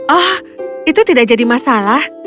oh itu tidak jadi masalah